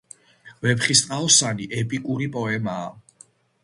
"ვეფხისტყაოსანი" ეპიკური პოემაა.